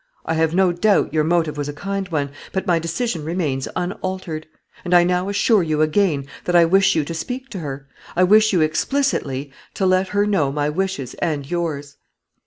I have no doubt your motive was a kind one, but my decision remains unaltered; and I now assure you again that I wish you to speak to her; I wish you explicitly to let her know my wishes and yours."